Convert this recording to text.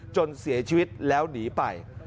จนเสียชีวิตแล้วหนีไป